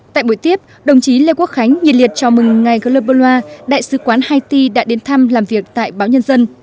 tại buổi tiếp đồng chí lê quốc khánh nhiệt liệt chào mừng ngài global loa đại sứ quán haiti đã đến thăm làm việc tại báo nhân dân